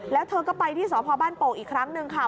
แล้วเธอก็ไปที่สพบ้านโป่งอีกครั้งหนึ่งค่ะ